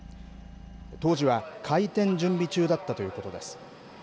当時は開店準備中だったということです。